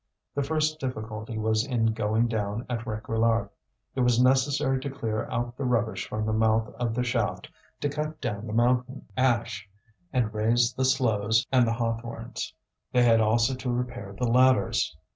The first difficulty was in going down at Réquillart; it was necessary to clear out the rubbish from the mouth of the shaft, to cut down the mountain ash, and raze the sloes and the hawthorns; they had also to repair the ladders.